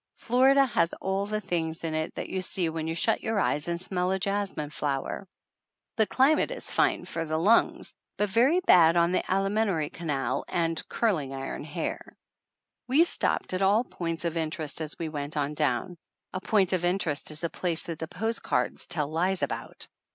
Florida has all the things in it that you see when you shut your eyes and smell a jasmine flower ! The climate is fine for the lungs, but very bad on the alimenary canal and curling iron hair! We stopped at all the points of interest as we went on down. A point of interest is a place ' that the post cards tell lies about.